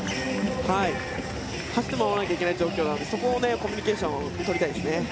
走って守らなきゃいけない状況なのでそこをコミュニケーション取りたいですね。